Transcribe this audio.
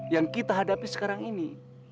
yang kita hadapi sekarang ini